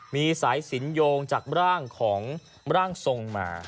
มีสายสินโยงจากร่างของร่างทรงมา